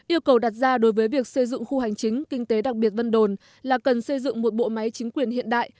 yêu cầu đặt ra đối với việc xây dựng khu hành chính kinh tế đặc biệt vân đồn là cần xây dựng một bộ máy chính quyền hiện đại